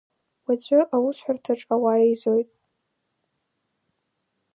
Уаҵәы аусҳәарҭаҿ ауаа еизоит…